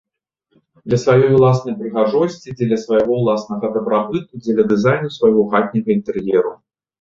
Для сваёй уласнай прыгажосці, дзеля свайго уласнага дабрабыту, дзеля дызайну свайго хатняга інтэр'еру.